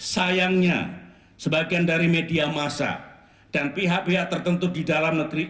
sayangnya sebagian dari media masa dan pihak pihak tertentu di dalam negeri